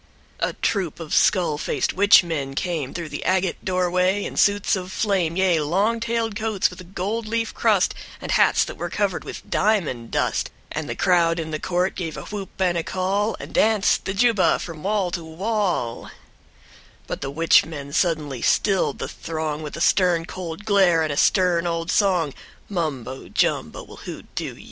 # With pomposity. # A troupe of skull faced witch men came Through the agate doorway in suits of flame, Yea, long tailed coats with a gold leaf crust And hats that were covered with diamond dust. And the crowd in the court gave a whoop and a call And danced the juba from wall to wall. # With a great deliberation and ghostliness. # But the witch men suddenly stilled the throng With a stern cold glare, and a stern old song: "Mumbo Jumbo will hoo doo you."...